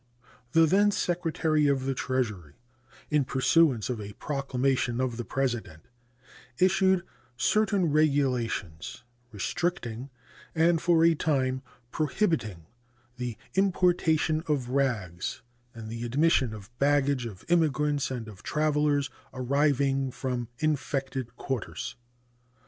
The then Secretary of the Treasury, in pursuance of a proclamation of the President, issued certain regulations restricting and for a time prohibiting the importation of rags and the admission of baggage of immigrants and of travelers arriving from infected quarters.